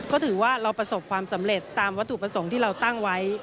ก็ถือว่าเราประสบความสำเร็จตามวัตถุประสงค์ที่เราตั้งไว้